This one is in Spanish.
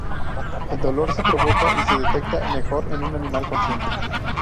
El dolor se provoca y se detecta mejor en un animal consciente.